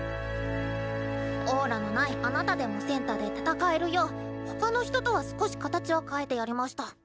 オーラのないあなたでもセンターで戦えるよう他の人とは少し形を変えてやりマシタ！